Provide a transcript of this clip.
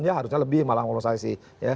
ya harusnya lebih malah kolosasi